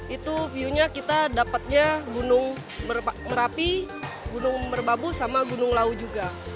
itu viewnya kita dapatnya gunung merapi gunung berbabu sama gunung lau juga